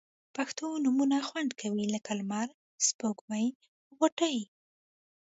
پښتو نومونه خوند کوي لکه لمر، سپوږمۍ، غوټۍ